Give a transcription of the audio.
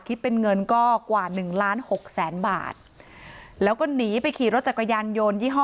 คิดเป็นเงินก็กว่าหนึ่งล้านหกแสนบาทแล้วก็หนีไปขี่รถจักรยานโยนยี่ห้อ